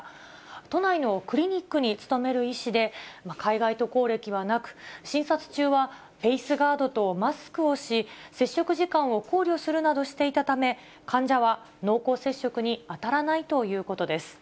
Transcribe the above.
都内のクリニックに勤める医師で、海外渡航歴はなく、診察中はフェースガードとマスクをし、接触時間を考慮するなどしていたため、患者は濃厚接触に当たらないということです。